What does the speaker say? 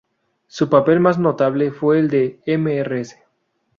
Su papel más notable fue el de "Mrs.